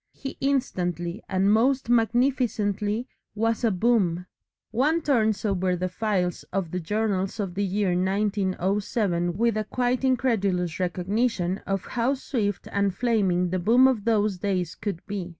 He instantly and most magnificently was a Boom. One turns over the files of the journals of the year 1907 with a quite incredulous recognition of how swift and flaming the boom of those days could be.